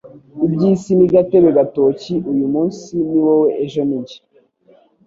ibyisi ni gatebe gatoki uyumumnsi niwowe ejo ninjye